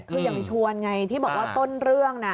คืออย่าไปชวนไงที่บอกว่าต้นเรื่องน่ะ